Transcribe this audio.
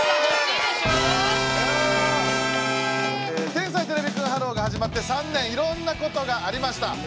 「天才てれびくんｈｅｌｌｏ，」がはじまって３年いろんなことがありました。